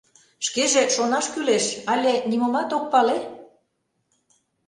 — Шкеже, шонаш кӱлеш, але нимомат ок пале?